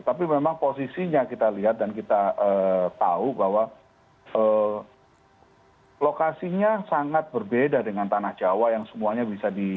tapi memang posisinya kita lihat dan kita tahu bahwa lokasinya sangat berbeda dengan tanah jawa yang semuanya bisa di